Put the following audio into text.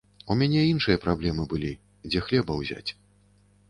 У мяне іншыя праблемы былі, дзе хлеба ўзяць.